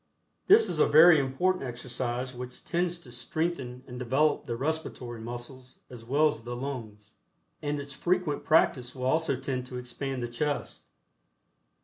This is a very important exercise which tends to strengthen and develop the respiratory muscles as well as the lungs, and its frequent practice will also tend to expand the chest.